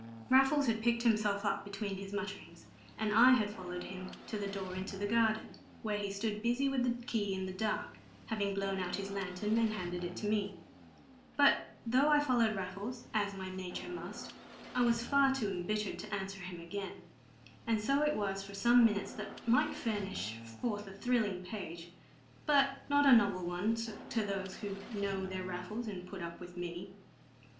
Raffles had picked himself up between his mutterings, and I had followed him to the door into the garden, where he stood busy with the key in the dark, having blown out his lantern and handed it to me. But though I followed Raffles, as my nature must, I was far too embittered to answer him again. And so it was for some minutes that might furnish forth a thrilling page, but not a novel one to those who know their Raffles and put up with me.